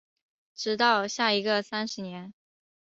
直到下一个三十年